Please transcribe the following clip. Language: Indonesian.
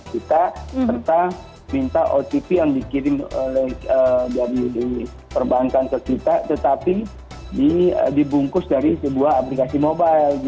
kita serta minta otp yang dikirim dari perbankan ke kita tetapi dibungkus dari sebuah aplikasi mobile